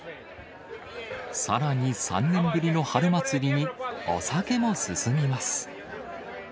さらに３年ぶりの春祭りに、お酒も進みます。